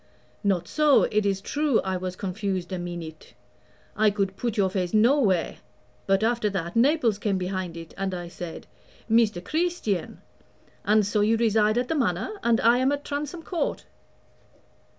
"Not so. It is true I was confused a meenute I could put your face nowhere; but, after that, Naples came behind it, and I said, Mr. Creesstian. And so you reside at the Manor, and I am at Transome Court."